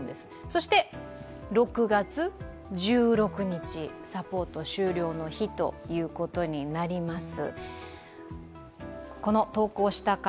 そして６月１６日、サポート終了の日ということになります。